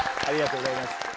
ありがとうございます。